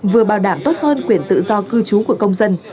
vừa bảo đảm tốt hơn quyền tự do cư trú của công dân